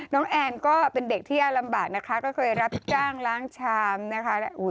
แอนก็เป็นเด็กที่ยากลำบากนะคะก็เคยรับจ้างล้างชามนะคะ